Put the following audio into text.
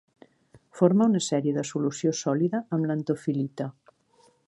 Forma una sèrie de solució sòlida amb l'antofil·lita.